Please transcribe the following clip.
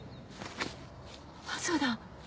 あっそうだ。